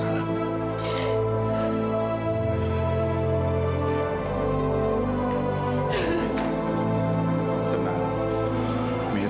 mungkin aku gak bisa ngerasain kesedihan dan kecemasan